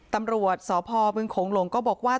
ตำรวจสพบึงโขงหลงก็บอกว่า